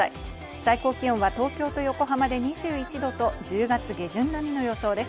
最高気温は東京と横浜で２１度と１０月下旬並みの予想です。